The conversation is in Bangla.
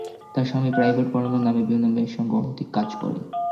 তাঁর স্বামী প্রাইভেট পড়ানোর নামে বিভিন্ন মেয়ের সঙ্গে অনৈতিক কাজ করেন।